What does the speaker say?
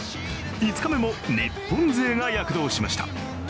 ５日目も日本勢が躍動しました。